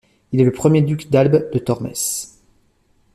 Il est le premier duc d'Albe de Tormes.